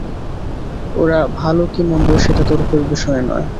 ওরা ভালো কি মন্দ সেটা তর্কের বিষয় নয়।